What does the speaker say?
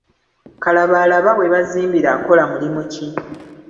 Kalabalaba we bazimbira akola mulimu ki?